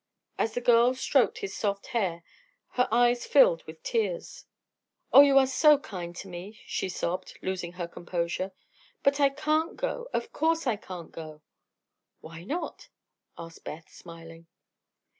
As the girl stroked his soft hair her eyes filled with tears. "Oh, you are all so kind to me!" she sobbed, losing her composure. "But I can't go! Of course I can't go." "Why not?" asked Beth, smiling.